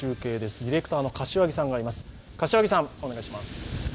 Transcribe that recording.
ディレクターの柏木さんがいます。